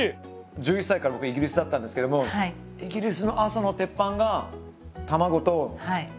１１歳から僕イギリスだったんですけどもイギリスの朝の鉄板が卵とこのベーコンだったんですよ。